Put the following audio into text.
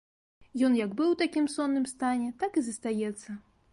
Ён як быў у такім сонным стане, так і застаецца.